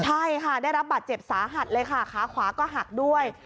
ใช่ค่ะได้รับบาดเจ็บสาหัสเลยค่ะขาขวาก็หักด้วย